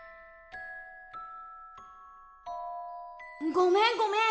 ごめんごめん。